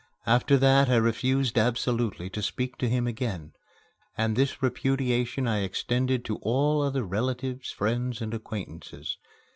After that I refused absolutely to speak to him again, and this repudiation I extended to all other relatives, friends and acquaintances.